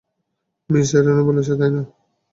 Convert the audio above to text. Miss Edna বলেছে, তাই না?